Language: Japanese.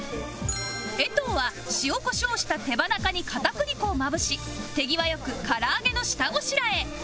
衛藤は塩コショウした手羽中に片栗粉をまぶし手際良く唐揚げの下ごしらえ